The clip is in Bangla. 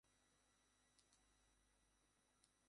মেয়েলি পুরুষদেরও এই দশা।